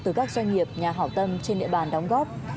từ các doanh nghiệp nhà hảo tâm trên địa bàn đóng góp